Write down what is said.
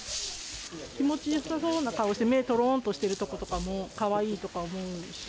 気持ちよさそうな顔して、目、とろーんとしてるとことかも、かわいいとか思うし。